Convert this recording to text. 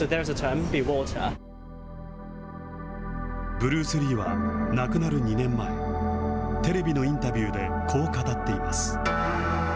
ブルース・リーは亡くなる２年前、テレビのインタビューで、こう語っています。